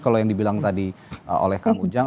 kalau yang dibilang tadi oleh kang ujang